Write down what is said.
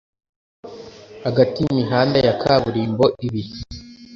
hagati y'imihanda ya kaburimbo ibiri